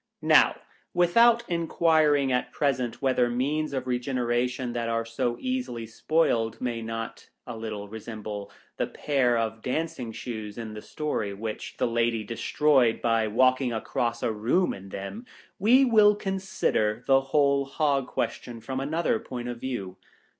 Now, without enquiring at present whether means of regeneration that are so easily spoiled, may not a little resemble the pair of dancing shoes in the story, which the lady destroyed by walking across a room in them, we will consider the Whole Hog question from another point of view.